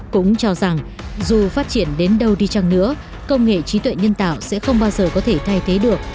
cũng cho rằng dù phát triển đến đâu đi chăng nữa công nghệ trí tuệ nhân tạo sẽ không bao giờ có thể thay thế được